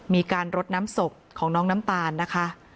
มีการรดน้ำศพของน้องน้ำตาลนะคะ